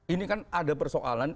ini kan ada persoalan